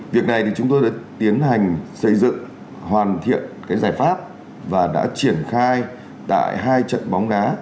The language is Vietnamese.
việc này thì chúng tôi đã tiến hành xây dựng hoàn thiện giải pháp và đã triển khai tại hai trận bóng đá